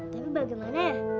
tapi bagaimana ya